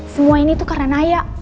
semua ini tuh karena naya